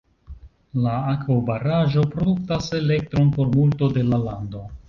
La akvobaraĵo produktas elektron por multo de la lando.